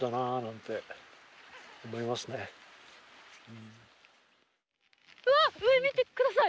本当にうわっ上見てください！